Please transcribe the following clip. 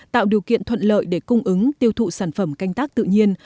tạo điều kiện thuận lợi để cung ứng tiêu thụ sản phẩm canh tác tự nhiên